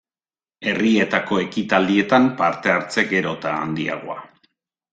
Herrietako ekitaldietan parte-hartze gero eta handiagoa.